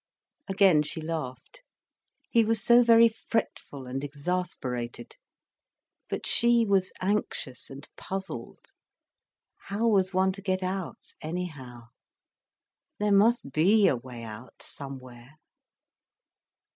Again she laughed. He was so very fretful and exasperated. But she was anxious and puzzled. How was one to get out, anyhow. There must be a way out somewhere.